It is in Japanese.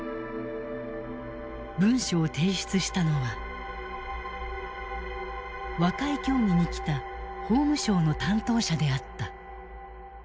文書を提出したのは和解協議に来た法務省の担当者であった。